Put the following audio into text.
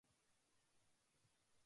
おおおすごい